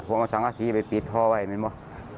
ผมเอาสังศรีไปปิดท้อไว้มันว่า